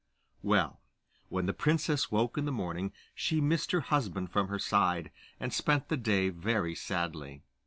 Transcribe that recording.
Well, when the princess woke in the morning, she missed her husband from her side, and spent the day very sadly.